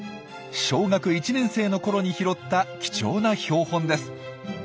小学１年生のころに拾った貴重な標本です。